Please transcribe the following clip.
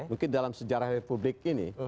mungkin dalam sejarah republik ini